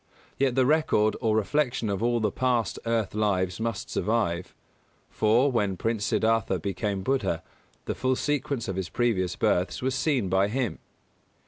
Yet the record or reflection of all the past earth lives must survive; for, when Prince Siddhārtha became Buddha, the full sequence of his previous births was seen by him.